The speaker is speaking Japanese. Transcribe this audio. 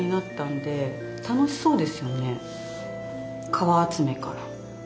皮集めから。